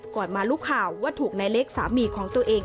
มารู้ข่าวว่าถูกนายเล็กสามีของตัวเอง